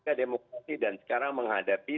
kita demokrasi dan sekarang menghadapi